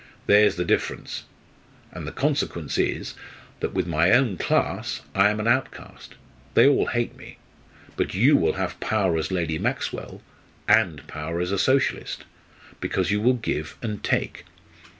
There's the difference. And the consequence is that with my own class I am an outcast they all hate me. But you will have power as Lady Maxwell and power as a Socialist because you will give and take.